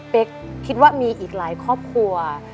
คิดว่ามีอีกหลายครอบครัว